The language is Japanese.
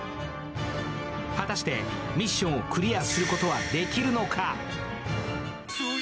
果たしてミッションをクリアすることはできるのか？